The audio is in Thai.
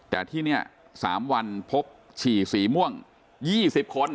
แต่ที่นี่๓วันพบฉี่สีม่วง๒๐คน